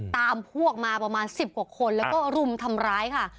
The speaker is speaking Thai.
พวกมาประมาณ๑๐กว่าคนแล้วก็รุมทำร้ายค่ะ